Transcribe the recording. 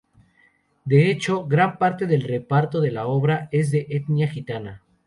De hecho, gran parte del reparto de la obra es de etnia gitana.